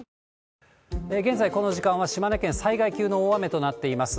現在、この時間は島根県、災害級の大雨となっています。